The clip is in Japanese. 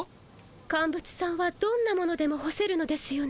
カンブツさんはどんなものでも干せるのですよね？